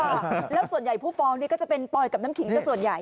แล้วส่วนใหญ่ผู้ฟ้องนี่ก็จะเป็นปอยกับน้ำขิงสักส่วนใหญ่